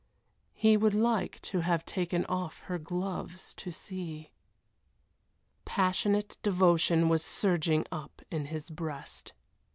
He would like to have taken off her gloves to see. Passionate devotion was surging up in his breast.